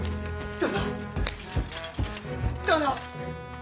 殿！